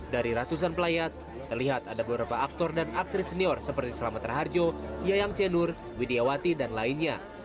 dari ratusan pelayat terlihat ada beberapa aktor dan aktris senior seperti selamat raharjo yayang cenur widiawati dan lainnya